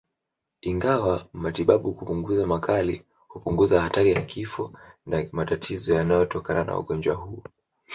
Ingawa matibabu kupunguza makali hupunguza hatari ya kifo na matatizo yanayotokana na ugonjwa huu